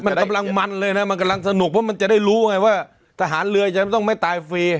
มันกำลังมันเลยนะมันกำลังสนุกเพราะมันจะได้รู้ไงว่าทหารเรือจะต้องไม่ตายฟรี